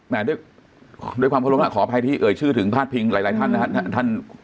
ด้วยความเคารพขออภัยที่เอ่ยชื่อถึงพาดพิงหลายท่านนะครับ